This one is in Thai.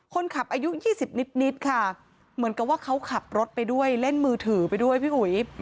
คนขับอายุ๒๐นิดค่ะเหมือนกับว่าเขาขับรถไปด้วยเล่นมือถือไปด้วยพี่อุ๋ย